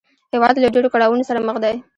هېواد له ډېرو کړاوونو سره مخ دی